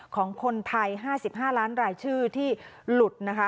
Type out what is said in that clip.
ของคนไทย๕๕ล้านรายชื่อที่หลุดนะคะ